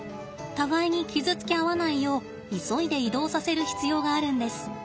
互いに傷つけ合わないよう急いで移動させる必要があるんです。